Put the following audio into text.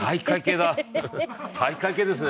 体育会系ですね。